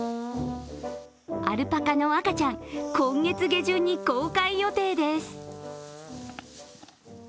アルパカの赤ちゃん、今月下旬に公開予定です。